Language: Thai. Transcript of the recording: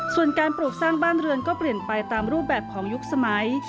ส่วนการปลูกสร้างบ้านเรือนก็เปลี่ยนไปตามรูปแบบของยุคสมัย